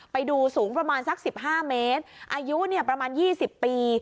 ไปดูสูงประมาณสักสิบห้าเมตรอายุเนี่ยประมาณยี่สิบปี